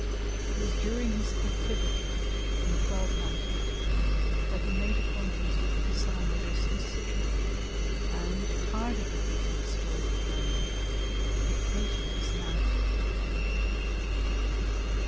It was during his captivity, in 1298, that he made acquaintance with Pisano Rusticien, and, tired of repeating his story again and again, dictated his narrative to him.